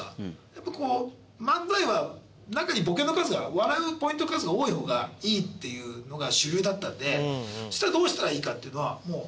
やっぱりこう漫才は中にボケの数が笑うポイントの数が多い方がいいっていうのが主流だったんでそしたらどうしたらいいかっていうのはもう。